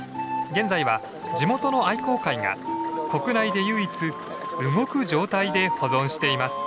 現在は地元の愛好会が国内で唯一動く状態で保存しています。